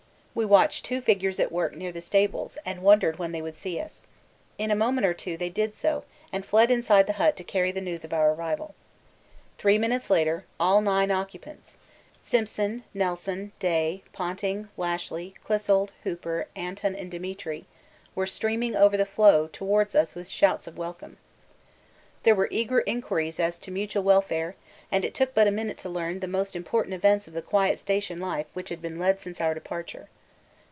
We watched two figures at work near the stables and wondered when they would see us. In a moment or two they did so, and fled inside the hut to carry the news of our arrival. Three minutes later all nine occupants were streaming over the floe towards us with shouts of welcome. There were eager inquiries as to mutual welfare and it took but a minute to learn the most important events of the quiet station life which had been led since our departure.